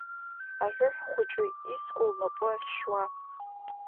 Аҳәыҳә хәыҷы иску лнапы ахьшьуа.